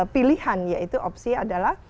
pilihan yaitu opsi adalah